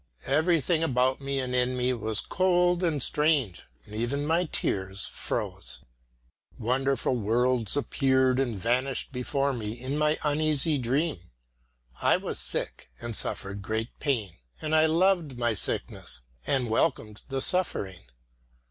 Everything about me and in me was cold and strange, and even my tears froze. Wonderful worlds appeared and vanished before me in my uneasy dream. I was sick and suffered great pain, but I loved my sickness and welcomed the suffering.